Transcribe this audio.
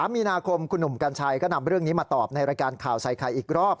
มีนาคมคุณหนุ่มกัญชัยก็นำเรื่องนี้มาตอบในรายการข่าวใส่ไข่อีกรอบ